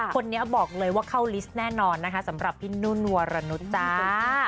คนนี้บอกเลยว่าเข้าลิสต์แน่นอนนะคะสำหรับพี่นุ่นวรนุษย์จ้า